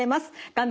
画面